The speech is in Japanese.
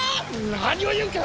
何を言うか！